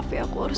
setelah aku lari